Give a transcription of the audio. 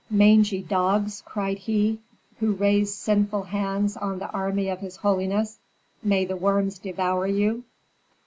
"Mangy dogs!" cried he, "who raise sinful hands on the army of his holiness (may the worms devour you)!